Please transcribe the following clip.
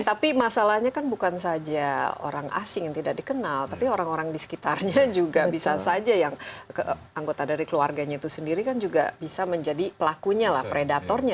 tapi masalahnya kan bukan saja orang asing yang tidak dikenal tapi orang orang di sekitarnya juga bisa saja yang anggota dari keluarganya itu sendiri kan juga bisa menjadi pelakunya lah predatornya